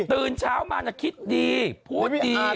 ตื่นเช้ามาแต่คิดดี